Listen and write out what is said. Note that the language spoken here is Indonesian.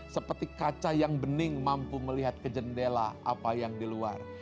seperti kaca yang bening mampu melihat ke jendela apa yang di luar